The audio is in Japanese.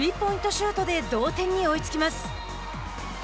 シュートで同点に追いつきます。